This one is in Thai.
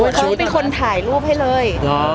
เขาเป็นคนถ่ายรูปให้เลย